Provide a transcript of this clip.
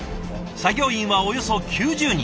作業員はおよそ９０人。